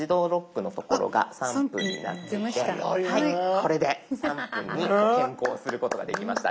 これで３分に変更することができました。